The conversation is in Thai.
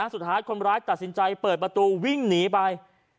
สุดท้ายคนร้ายตัดสินใจเปิดประตูวิ่งหนีไป